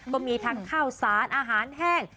มันมีทั้งข้าวซ้านอาหารแห้ง